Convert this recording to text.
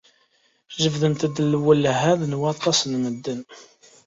Jebdent-d lwelha n waṭas n medden.